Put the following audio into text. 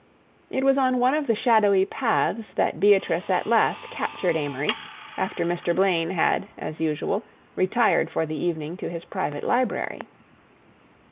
It was on one of the shadowy paths that Beatrice at last captured Amory, after Mr. Blaine had, as usual, retired for the evening to his private library.